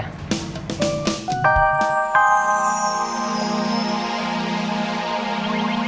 sampai jumpa lagi